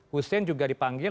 hussein juga dipanggil